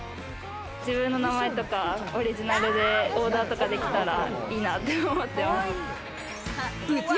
自分の名前とか、オリジナルでオーダーとかできたらいいなって思ってます。